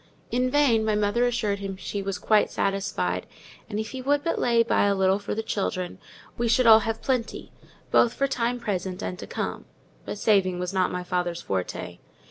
In vain my mother assured him she was quite satisfied; and if he would but lay by a little for the children, we should all have plenty, both for time present and to come: but saving was not my father's forte.